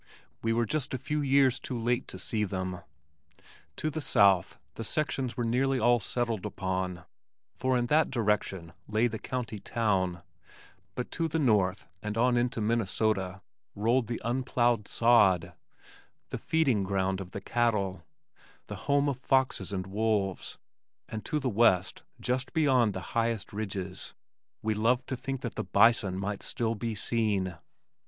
We were just a few years too late to see them. To the south the sections were nearly all settled upon, for in that direction lay the county town, but to the north and on into Minnesota rolled the unplowed sod, the feeding ground of the cattle, the home of foxes and wolves, and to the west, just beyond the highest ridges, we loved to think the bison might still be seen.